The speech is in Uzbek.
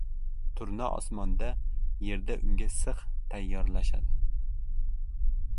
• Turna osmonda, yerda unga six tayyorlashadi.